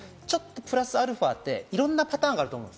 プラスアルファっていろんなパターンがあると思うんです。